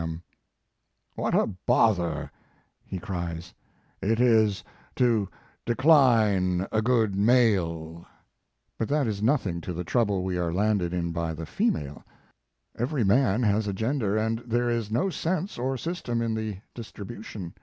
128 Mark Twain What a bother, he cries, it is to decline a good male ! But that is nothing to the trouble we are landed in by the female ! Every man has a gender and there is no sense or system in the distri bution.